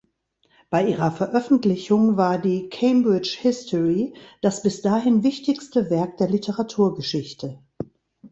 Bei ihrer Veröffentlichung war die "Cambridge History" das bis dahin wichtigste Werk der Literaturgeschichte.